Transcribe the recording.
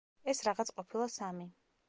ეს რაღაც ყოფილა სამი.